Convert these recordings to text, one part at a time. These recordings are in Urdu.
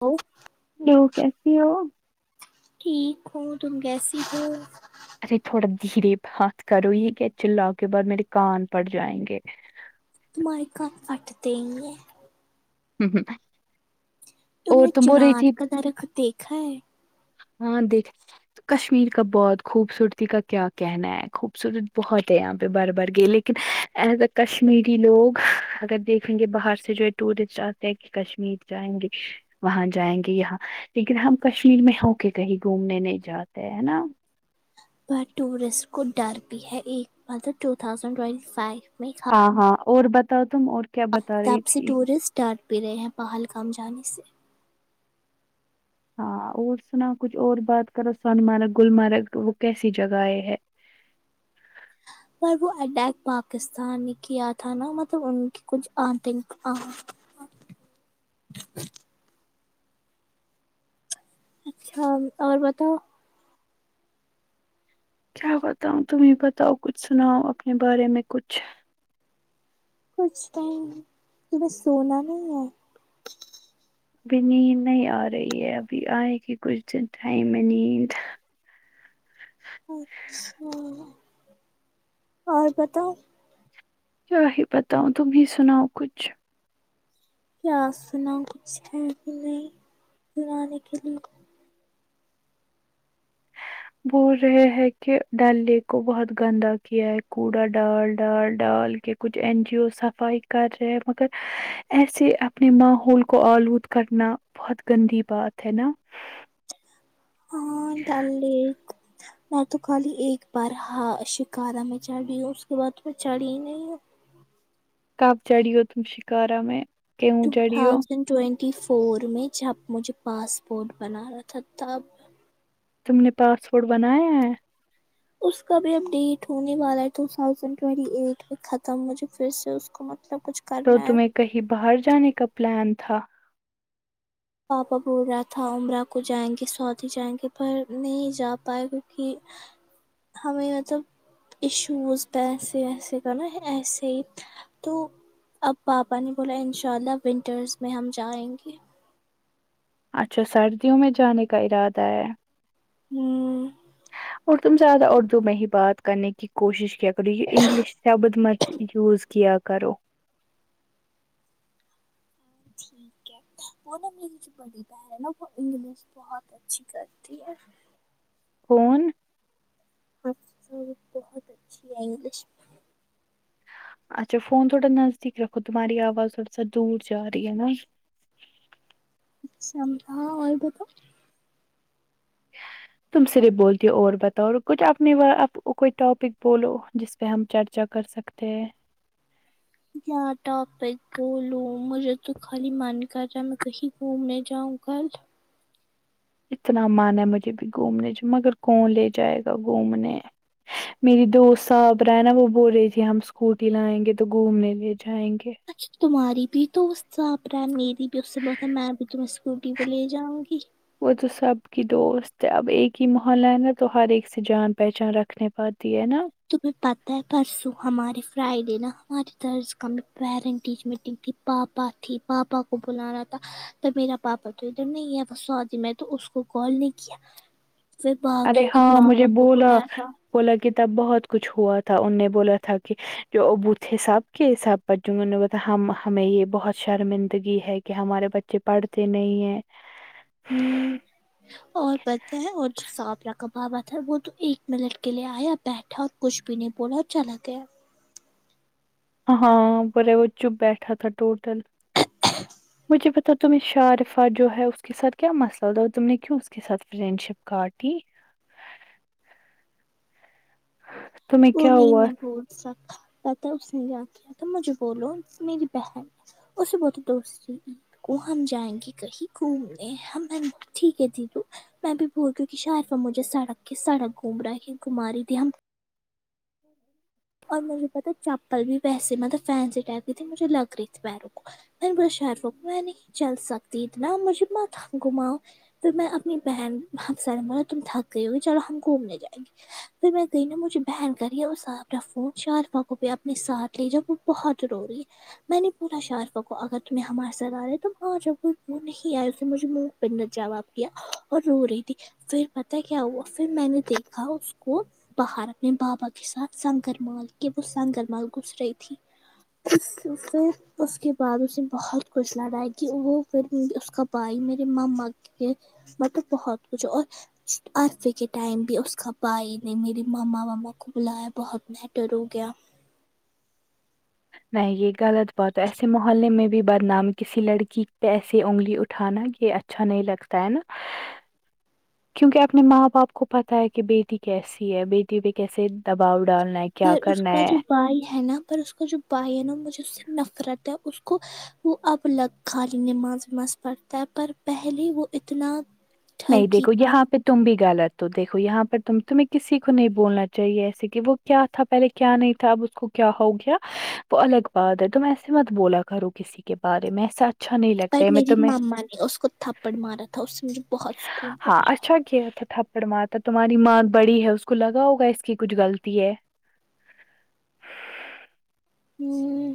ہ ہیلو کیسی ہو ٹھیک ہو تم کیسی ہو ارے تھوڑا دھیرے ہات کرو یہ کیا چلاو گے بعد میرے کان پھٹ جائیں گے تمہارے کان پھٹتے ہی نہیں ہے ہوں ہوں تم نے چرار کا درخت دیکھا ہے ہاں دیکھ تو کشمیر کا بہت خوبصورتی کا کیا کہنا ہے خوبصورت بہت ہے یہاں پہ بربر گیلے لیکن ایز اے کشمیری لوگ اگر دیکھیں گے باہر سے جو ہے ٹورسٹ آتے ہیں کہ کشمیر جائیں گے وہاں جائیں گے یہاں لیکن ہم کشمیر میں ہو کے کہیں گھومنے نہیں جاتے ہے نا پر ٹورسٹ کو ڈر بھی ہے ایک مطلب ٹو تھازینڈ ٹوینٹی فائو میں ہاں ہاں اور بتاؤ تم اور کیا بتا رہی تھی دار بھی رہے ہیں پہل کام جانے سے ہاں اور سنا کچھ اور بات کرو سونمرگ گلمرگ وہ کیسی جگہ ہے پر وہ اٹیک پاکستان نے کیا تھا نا مطلب ان کے آٹنگ اچھا اور بتاؤ کیا بتاؤوں تمہیں بتاؤ کچھ سناؤ اپنے بارے میں کچھ کچھ ٹائم بس سونا نہیں ہے ابھی نیند نہیں آ رہی ہے ابھی آئے گی کچھ دن ٹائم میں نیند اچھا اور بتاؤ کیا ہی بتاؤ تم ہی سناؤ کچھ کیا سناو کچھ ہے کہ نہیں سنانے کے لیے بول رہے ہیں کہ [unintelligible] کو بہت گندا کیا ہے کوڑا ڈال ڈال ڈال کے کچھ این جی او صفائی کر رہے ہیں مگر ایسے اپنے ماحول کو آلود کرنا بہت گندی بات ہے نا ہاں ڈال لیک [unintelligible] میں تو خالی ایک بار ہ شکارا میں چڑھ رہی ہوں اس کے بعد تو میں چڑھی ہی نہیں ہوں کپ چھڑی ہو تم شکارا میں کیوں ٹو چڑھی ہو تھاؤزینڈ ٹوینٹی فور میں جب مجھے پاسپورٹ بنانا تھا تب تم نے پاسپورٹ بنایا ہے اس کا بھی ا ڈیٹ ہونے والا ہےٹو ٹھوسند ٹوئنٹی ایٹ میں ختم مجھے پھر سے اس کو مطلب کچھ تو کرنا ہے تمہیں کہیں باہر جانے کا پلان تھا پاپا بول رہا تھا امرہ کو جائیں گے سعودی جائیں گے پر نہیں جا پائے کیوںکہ ہمیں مطلب ایشوز پیسے ویسے کا نا ایسے ہی تو اب پاپا نے بولا انشاء اللہ ونٹرس میں ہم جائیں گے اچھا سردیوں میں جانے کا ارادہ ہے ہمم اور تم زیادہ اردو میں ہی بات کرنے کی کوشش کیا انگلش تب مت یوز کیا کرو [inaudible] [inaudible] کون [unintelligible] اچھا فون تھوڑا نزدیک رکھو تمہاری آواز تھوڑا سا دور جا رہی ہے نا اچھا ہاں اور بولو تم صرف بولتی ہو اور بتاؤ کچھ اپنے بارے پ کوئی ٹاپک بولو جس پہ ہم چرچا کر سکتے ہیں کیا ٹاپک بولوں مجھے تو خالی من کر رہا ہے میں کہیں گھومنے جاؤں گل اتنا من ہے مجھے بھی گھومنے چ مگر کون لے جائے گا گھومنے میری دوست صاحب رہا نا وہ بول رہی تھی ہم اسکوٹی لائیں گے تو گھومنے لے جائیں گے اچھا تمہاری بھی [unintelligible] میری بھی اس سے بت ہے میں بھی تمہیں اسکوٹی پہ لے جاؤں گی وہ تو سب کی دوست ہے اب ایک ہی محلہ ہے نا تو ہر ایک سے جان پہچان رکھ نہیں پاتی ہے نا تمہیں پتہ ہے پرسوں ہمارے فرائیڈے نا ہماراری طرز ک پیرنٹ ٹیچ میٹنگ کی پاپا تھی پاپا کو بلانا تھا تب میرا پاپا تو ادھر نہیں ہے بس سودی میں تو اس کو کال نہیں کیا پھر ارے باکیوں کے ہاں مجھے پاپا کو بولا بولیا گیا بولا کہ تب بہت کچھ ہوا تھا ان نے بولا تھا کہ جو ابو تھے سب کے بگ نے ب ہم ہمیں یہ بہت شرمندگی ہے کہ ہمارے بچے پڑھتے نہیں ہیں [unintelligible] ہمم اور پتہ ہیں اور جو ساابرا کا باوا تھا وہ تو ایک منٹ کے لیے آیا بیٹھا اور کچھ بھی نہیں بولا اور چلا گیا ہاں برے وہ چپ بیٹھا تھا ٹوٹل ہ [unintelligible] مجھے بتاؤ تمہیں شارفع جو ہے اس کے ساتھ کیا مسئلہ تھا تم نے کیوں اس اس ساتھ فرینڈشپ کارٹی تمہیں وہ کیا نہیں ہوا میں بول سکا پتہ تھا اس نے کیا کیا تھا مجھے بولو میری بہن [unintelligible] وہ ہم جائیں گے کہیں گھومنے ہم ٹھیک تھیک ہے میں بھی بھول گوں کہ شارف مجھے سڑک سڑک گھوم رہا ہے کہ گماری تھی ہم ہوں اور مجھے پتا چپل بھی ویسے مطلب فینسی ٹائپ کی تھی مجھے لگ رہی تھی پیروں کو [unintelligible] پھر میں اپنی بہن ہمس بولا تم تھک گئی ہوگی چلو ہم گھومنے جائیں گے پھر میں کہئی نا مجھے بہن کری وہ ساف اپ فون شارفا کو اپنے ساتھ لے جاؤ وہ بہت رورہی ہے میں نے پورا شارفکو اگر تمہیں ہمارے ساتھ آ رہے تو وہاں جب کوئی نہیں آئے اسے مجھے منہ نے جواب دیا اور رو رہی تھی پھر پتا کیا ہوا پھر میں نے دیکھا اس کو باہر اپنے بابا کے ساتھ سنگر مال کہ وہ سنگر مال گس رہی تھی اس کے بعد اسے بہت خوچھ لگا ہے کہ وہ پھرلم اس کا بھائی میرے ماما کے یہ مطلب بہت کچھ اور عرفے کے ٹائم بھی اس کا بھائی نے میرری ماما ماما کو بلایا بہت میٹر ہو گیا نہیں یہ غلط بات ہے ایسے محلے میں بھی بدنام کسی لڑکی پیسے انگلی اٹھانا یہ اچھا نہیں لگتا ہے نا کیونکہ اپنے ماں باپ کو پتا ہے کہ بیٹی کیسی ہے بیٹی پہ کیسے دباؤ ڈالنا ہے کیا پر اس کرنا کا ہے جو بھائی ہے نا پر اس کا جو بھائی ہے نا مجھے اس سے نفرت ہے اس کو وہ اب الگ خالی نماز وماز پڑھتا ہے پر پہلے وہ اتنا نہیں ٹھرکی دیکھو تھا یہاں پہ تم بھی غلط ہو دیکھو یہاں پر تم تمہیں کسی کو نہیں بولنا چاہیے ایسے کہ وہ کیا تھا پہلے کیا نہیں تھا اب اس کو کیا ہو گیا وہ الگ بات ہے تم ایسے مت بولا کرو کسی کے بارے میں ایسا اچھا نہیں پر لگتا ہے میں میری تمہیں ماما نے اس کو تھپڑ مارا تھا اس سے مجھے بہت سکون ہاں اچھا کیا تھا تھپاد مرا تھا تماری ماں بڑی ہے اسکو لگا ہوگا اسکی کچھ گلتی ہے ہوں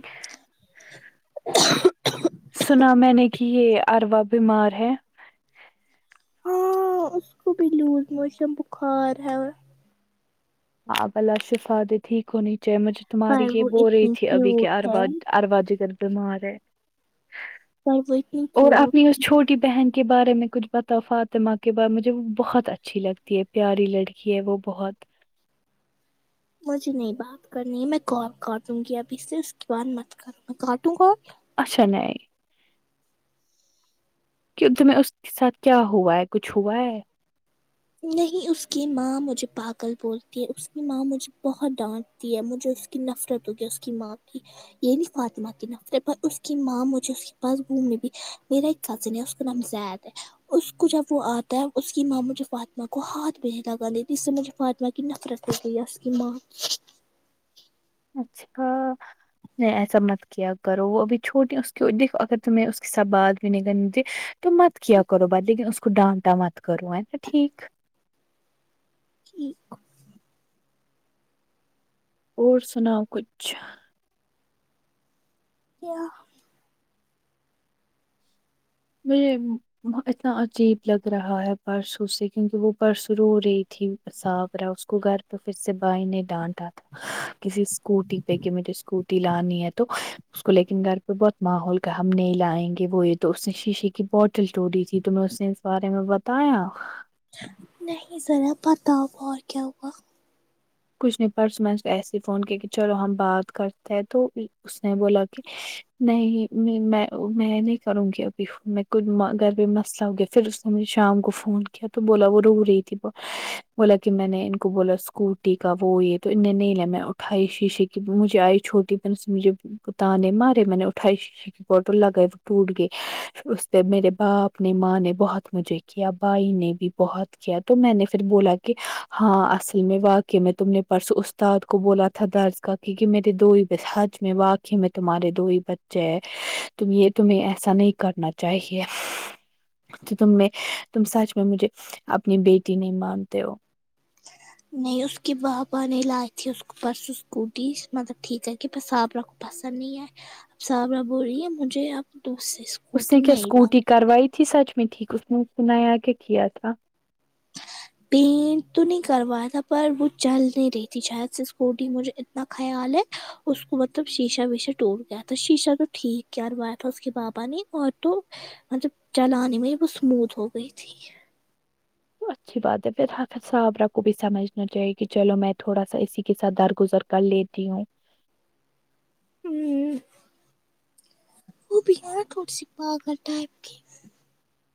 سنا میں نے کہ یہ اروا بیمار ہے ہاں اس کو بھی لوسے موشن بخار ہے ہاں بلا شفاد ٹھیک ہونی چاہے مجھے تماری پر یہ وہ بو رہی اتنی تھی ابھی کہ کیوٹ ہے اربا و اربج گی بیمار ہے [inaudible] اور آپنی کیوٹ اس چھو کی بہن کے بارے میں کچھ بتا فااتما کے بارے مجھے وہ بہت اچھی لگتی ہے پیاری لڑکی ہے وہ بہت مجھے نہیں بات کرنی ہے میں کال کاٹوں گی ابھی سے اس کے بعد مت کروں میں کاٹوں گ اور اچھا نہیں کہ تمہیں اس کے ساتھ کیا ہوا ہے کچھ ہوا ہے نہیں اس کی ماں مجھے پاگل بولتی ہے اس کی ماں مجھے بہت ڈانٹ ہے مجھے اس کی نفرت ہوگیا اس کی ماں کی یہ نہیں فاطمہ کی نفرت پر اس کی ماں مجھے اس کے پاس گھومنے بھی میرا ایک کزن ہے اس کا نام زید ہے اس کو جب وہ آتا ہے اس کی ماموں جب آتی ماں کو ہاتھ بہ لگا اس سے مجھے فاطمہ کی نفرت گئییس کہ ماں اچھا ایسا مت کیا کرو وہ ابھی چھوٹی اس کی د اگر تمہیں اس کے ساتھ بعد بھی نگ تو مت کیا کرو بات لیکن اس کو ڈانٹا مت کرو ہے نا ٹھیک کہ اور سناؤ کچھ کیا میں اتنا عجیب لگ رہا ہے پرسوں سے کیونکہ وہ پرس رو رہی تھی صاف رہا اس کو گھر پہ پھر سے بائی نہیں ڈانٹا تھا کسی اسکوٹی پیکی نے اسکوپ لانی ہے تو اس کو لیکن گھر پہ بہت ماحول کا ہم نہیں لائیں گے وہ یہ تو شیشے کی بوٹل ٹوڑی تھی تم اس نے اس بارے میں بتایا نہیں ذرا بتاو اور کیا ہوا کچھ نے پرس میں ایسے ہی فون کیا کہ چلو ہم بات کرتے ہیں تو اس نے بولا کہ نہیں میں میں نہیں کروں گی ابھی میں ک گگر بھی مسئلہ ہو گیا پھر میں نے شام کو فون کیا تو بولا وہ رو رہی تھی وہ بولا کہ میں نے ان کو بولا اسکوٹ یکا وہ یہ تو ان نے نہیں لیا میں اٹھائی شیشے کی مجھے آئی چھوٹی پن سے مجھے تان نے مارے میں نے اٹھائ شش کی باتل اگر ٹوٹ گئے پھر اس پہ میرے باپ نے ماں نے بہت مجھے کیا بھائی نے بھی بہت کیا تو میں نے پھر بولا کہ ہاں اصل میں واق کہ میں تم نے پرسوں استاد کو بولا تھا درس کا کیونکہ میرے دو ہی بس حج میں واق کہ میں تمہارے دو ہی بچے ہیں یہ تمہیں ایسا نہیں کرنا چاہیے تو تم میں تم سچ میں مجھے اپنی بیٹی نہیں مانتے ہو نہیں اس کی بابا نہیں لائی تھی اس کو پرسوں سکوٹی مطلب ٹھیک ہے کہ پساب رکھو پسند نہیں ہے صاحابہ بول رہی ہے مجھے آپ دوسر اس نے کیا اسکوٹی کروائی تھی سچ میں ٹھیک اس نے سنا آ کے کیا تھا پینٹ تو نہیں کروایا تھا پر وہ چل نہیں رہی تھی شاید سے اسکوٹی مجھے اتنا خیال ہے اس کو مطلب شیشہ و سےے ٹوٹ گیا تھا شیشہ تو ٹھیک کیاوایا تھا اس کے بابا نے اور تو مطلب چلانے میں وہ اسموتھ ہو گئی تھی اچھی بات ہے پھر حافظ صحابرہ کو بھی سمجھنا چاہیے کہ چلو میں تھوڑا سا اسی کے ساتھ درگزر کل لیتی ہوں ہوں وہ بھی آ تھڑے سی پاگل ٹائم کی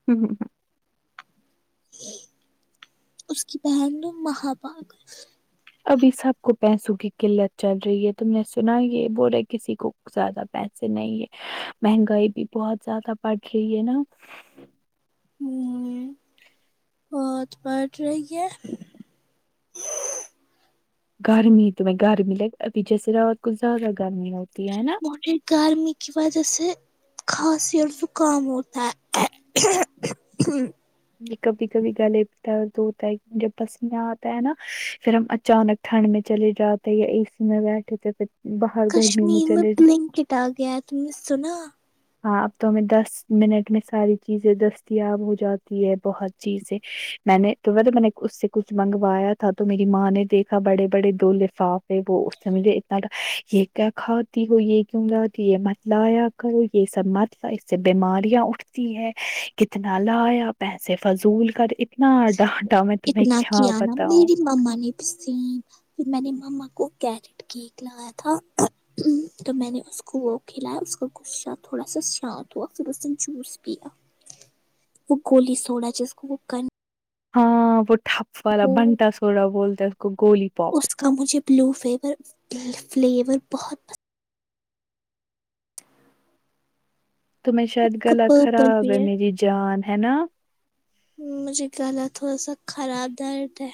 ہوں ہوں ہوں اس کی بہن مہا پااک ابھی سب کو پیسوں کی قلت چل رہی ہے تم نے سنا یہ بول رہے کسی کو زیادہ پیسے نہیں ہے مہنگائی بھی بہت زیادہ بڑھ رہی ہے نا ہوں بہت پٹھ رہی ہے گرمی تو میں گرمی ل ابھی جیسے رات کو زیادہ گرمی ہوتی ہے نا مٹ گار میں کی بازسے خاص اور زکام ہوتا ہے ہ یہ کبھی کبھی گلے میں درد ہوتا ہے جب بس یہ آتا ہے نا پھر ہم اچانک ٹھنڈ میں چلے جاتے ہیں یا اے سی میں بیٹھے تھے پ کشمیر میں بلنکیٹ آ گیا ہے تم نے سنا ہاں اب تو ہمیں دس منٹ میں ساری چیزیں دستیاب ہو جاتی یہ بہت چیزیں میں نے تو تو میں نے اس سے کچھ منگوایا تھا تو میری ماں نے دیکھ بڑے بڑے دو لفافے ہے وہ اس سے مجھے اتنا یہ کیا کھاتی وہ یہ کیوں لاتی یہ لایا کرو یہ سب مت اس سے بیماریاں اٹھتی ہے کتنا لایا پیسے فضول کر اتنا ڈانٹا میں تمہیں کیا بتاؤں ماما نے بھی سم پھر میں نے ماما کو کیرٹ کیک لگایا تھا تو میں نے اس کو وہ کھلایا اس کا غصہ تھوڑا سا شانت ہوا پھر اس نے جوس پیا وہ گولی سوڑا جس کو وہ کن ہاں وہ ٹھپ والا وہ بنٹا سوڈا بولتا ہے اس کو گولی پوپ اس کا مجھے بلو فیور فلیور بہت پسن تمہیں پسند شاید اس کا گلا پرپل خراب بھی ہے میری جان ہے نا مجھے گلا تھوڑا سا خراب درد ہے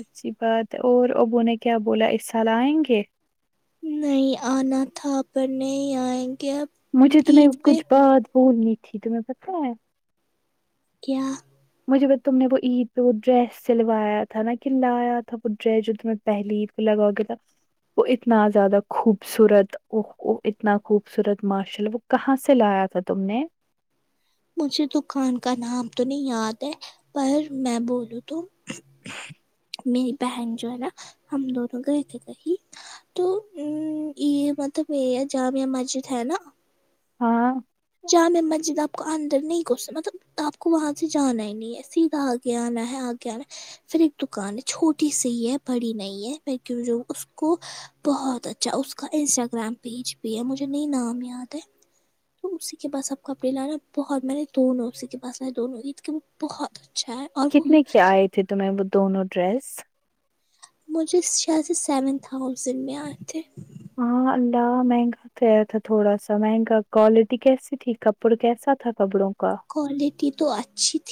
اچھی بات ہے اور ابو نے کیا بولا اس سال آئیں گے نہیں آنا تھا پر نہیں آئیں گے اب مجھے تمہیں عید پہ کچھ بات بولنی تھی تمہیں پتہ ہے کیا مجھے تم نے وہ عید پہ وہ ڈریس سلوایا تھا نا کہ لایا تھا وہ ڈریس جو ت پہلی ہی پ لگا ہو گلا وہ اتنا زیادہ خوبصورت اوہو اتنا خوبصورت ماشااللہ وہ کہاں سے لایا تھا تم نے مجھے دکان کا نام تو نہیں یاد ہے پر میں بولوں تو میری بہن جو ہے نا ہم دونوں گئے تھے کہیں تو ام یے مطلب یے جامیع مسجد ہے نا ہاں جامیع مسجد دا اندر نہیں گھس مطلب آپ کو وہاں سے جانا ہی نہیں ہے سیدھا آگے آنا ہے آگے آنا ہے فیر ایک دکان ہے چھوٹی سی ہے بڑی نہیں ہے فیر جو اس کو بہت اچھا اس کا انسٹاگرام پیج بھی ہے مجھے نہیں نام یاد ہے تو اسی کے پاس اب کپڑے لانا بہت میں نے دونوں اسی کے پاس لائے دونوں عید کے وہ بہت اچھا ہے اور وہ کتنے کے آئے تھے تمہیں وہ دونوں ڈریس مجھے شاید سے سیون تھاؤزینڈ میں آئے تھے ہاں اللہ مہنگا گیا تھا تھوڑا سا مہنگا کوالٹی کیسی تھی کپڑ کیسا تھا کپڑوں کا کوالٹی تو اچھی تھی